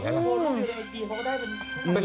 โดยในไอจีเขาก็ได้เป็น